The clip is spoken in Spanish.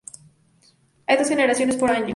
Hay dos generaciones por año.